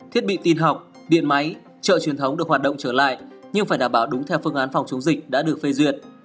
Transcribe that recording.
thiết bị tin học điện máy chợ truyền thống được hoạt động trở lại nhưng phải đảm bảo đúng theo phương án phòng chống dịch đã được phê duyệt